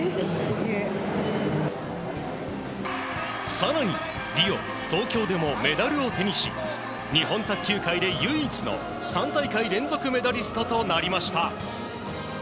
更にリオ、東京でもメダルを手にし日本卓球界で唯一の３大会連続メダリストとなりました。